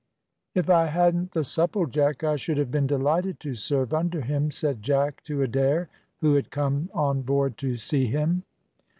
"If I hadn't the Supplejack I should have been delighted to serve under him," said Jack to Adair, who had come on board to see him.